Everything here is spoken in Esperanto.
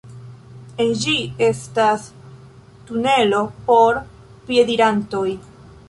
En ĝi estas tunelo por piedirantoj.